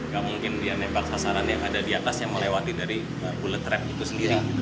gak mungkin dia menembak sasaran yang ada di atas yang melewati dari bullet trap itu sendiri